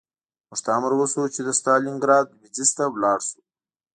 موږ ته امر وشو چې د ستالینګراډ لویدیځ ته لاړ شو